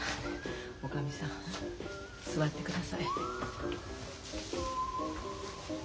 おかみさん座ってください。